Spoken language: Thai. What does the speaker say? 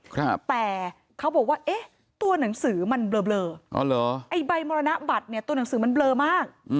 แต่เขาบอกว่าตัวหนังสือมันเบลอไอ้ใบมรณะบัตรเนี่ยตัวหนังสือมันเบลอมาก